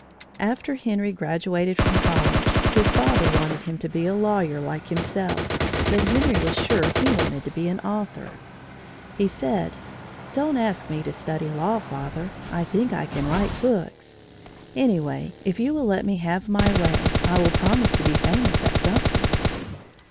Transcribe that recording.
After Henry graduated from college, his father wanted him to be a lawyer, like himself, but Henry was sure he wanted to be an author. He said: "Don't ask me to study law, father; I think I can write books. Anyway, if you will let me have my way, I will promise to be famous at something."